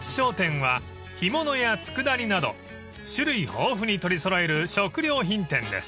［干物や佃煮など種類豊富に取り揃える食料品店です］